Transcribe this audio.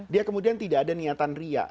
dia kemudian tidak ada niatan riak